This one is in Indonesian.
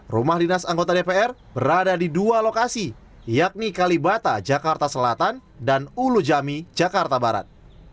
rumah dinas anggota dpr berada di dua lokasi yakni kalibata jakarta selatan dan ulu jami jakarta barat